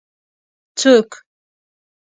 ـ څوک؟